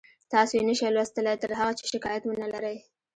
تاسو یې نشئ لوستلی تر هغه چې شکایت ونلرئ